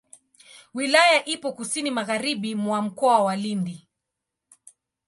Wilaya ipo kusini magharibi mwa Mkoa wa Lindi.